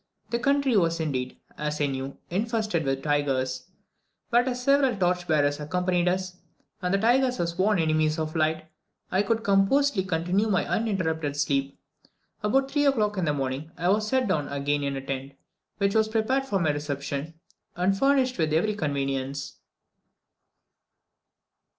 The country was indeed, as I knew, infested with tigers, but as several torch bearers accompanied us, and the tigers are sworn enemies of light, I could composedly continue my uninterrupted sleep. About 3 o'clock in the morning, I was set down again in a tent, which was prepared for my reception, and furnished with every convenience.